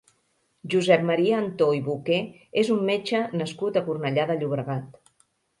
Josep Maria Antó i Boqué és un metge nascut a Cornellà de Llobregat.